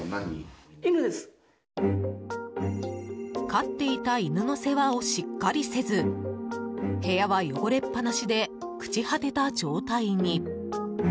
飼っていた犬の世話をしっかりせず部屋は汚れっぱなしで朽ち果てた状態に。